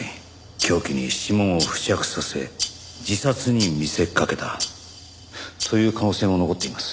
凶器に指紋を付着させ自殺に見せかけた。という可能性も残っています。